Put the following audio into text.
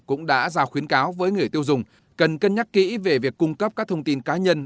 cũng đã ra khuyến cáo với người tiêu dùng cần cân nhắc kỹ về việc cung cấp các thông tin cá nhân